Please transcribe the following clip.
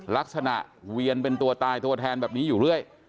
เวียนเป็นตัวตายตัวแทนแบบนี้อยู่เรื่อย